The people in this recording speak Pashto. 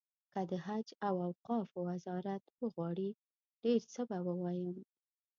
که د حج او اوقافو وزارت وغواړي ډېر څه به ووایم.